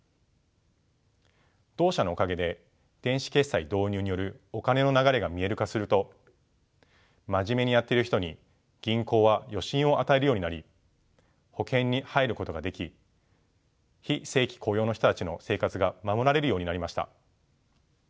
同社のおかげで電子決済導入によるお金の流れが見える化すると真面目にやっている人に銀行は与信を与えるようになり保険に入ることができ非正規雇用の人たちの生活が守られるようになりました。